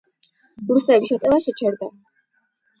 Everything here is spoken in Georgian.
რუსების შეტევა შეჩერდა.